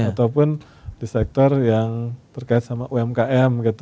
ataupun di sektor yang terkait sama umkm gitu